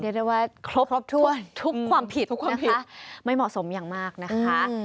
ได้ว่าครบถ้วนทุกความผิดนะคะไม่เหมาะสมอย่างมากนะคะ